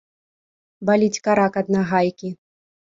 Баліць карак ад нагайкі.